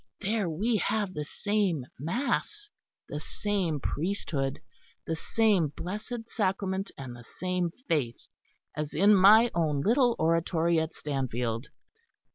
There we have the same mass, the same priesthood, the same blessed sacrament and the same Faith, as in my own little oratory at Stanfield.